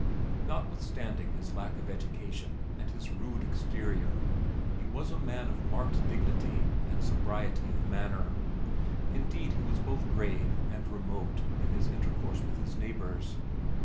Notwithstanding his lack of education and his rude exterior, he was a man of marked dignity and sobriety of manner. Indeed he was both grave and remote in his intercourse with his neighbors.